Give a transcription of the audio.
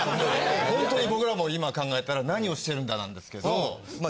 ホントに僕らも今考えたら何をしてるんだなんですけどまあ